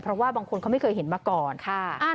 เพราะว่าบางคนเขาไม่เคยเห็นมาก่อนค่ะ